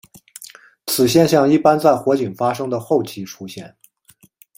此现象一般在火警发生的后期出现。